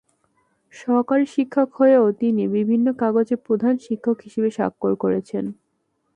সহকারী শিক্ষক হয়েও তিনি বিভিন্ন কাগজে প্রধান শিক্ষক হিসেবে স্বাক্ষর করছেন।